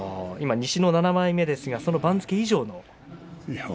今、西の７枚目ですがその番付以上の？